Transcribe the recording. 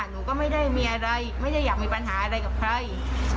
หนูก็ไม่ได้มีอะไรไม่ได้อยากมีปัญหาอะไรกับใคร